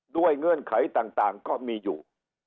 เงื่อนไขต่างก็มีอยู่